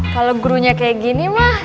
kalau gurunya kayak gini mah